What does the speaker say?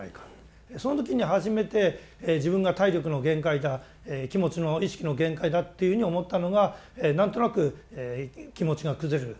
その時に初めて自分が体力の限界だ気持ちの意識の限界だというふうに思ったのが何となく気持ちが崩れる。